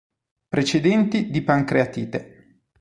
Precedenti di pancreatite.